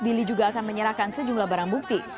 bili juga akan menyerahkan sejumlah barang bukti